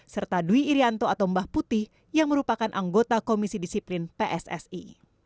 serta dwi irianto atau mbah putih yang merupakan anggota komisi disiplin pssi